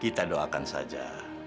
kita doakan saja